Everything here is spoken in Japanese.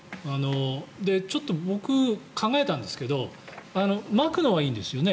ちょっと僕、考えたんですがまくのはいいんですよね？